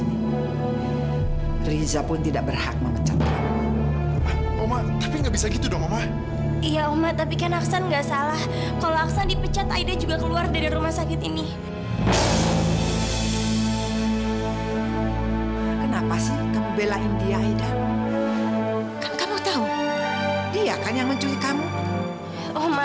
ibu pergi dulu ke kantornya aida ya